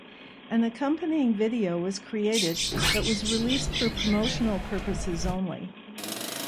An accompanying video was created but was released for promotional purposes only.